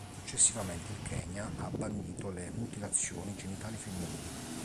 Successivamente il Kenya ha bandito le mutilazioni genitali femminili.